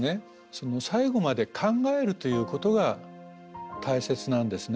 最後まで考えるということが大切なんですね。